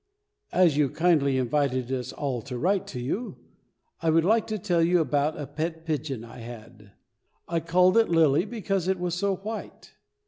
As you kindly invited us all to write to you, I would like to tell you about a pet pigeon I had. I called it Lily, because it was so white.